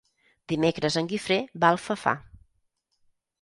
Dimecres en Guifré va a Alfafar.